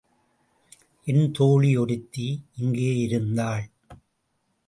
என் தோழி ஒருத்தி இங்கே இருந்தாள்.